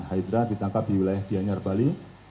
dan hidra ditangkap di wilayah dianyar bali